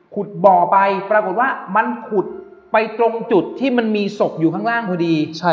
บ่อไปปรากฏว่ามันขุดไปตรงจุดที่มันมีศพอยู่ข้างล่างพอดี